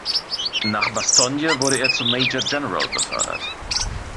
Nach Bastogne wurde er zum Major General befördert.